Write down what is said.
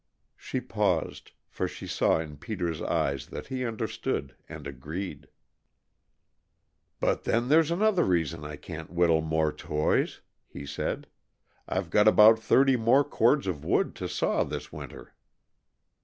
She paused, for she saw in Peter's eyes that he understood and agreed. "But then there's another reason I can't whittle more toys," he said. "I've got about thirty more cords of wood to saw this winter."